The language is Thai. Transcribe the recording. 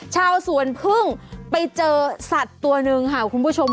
ชาวสวนพึ่งไปเจอสัตว์ตัวหนึ่งค่ะคุณผู้ชม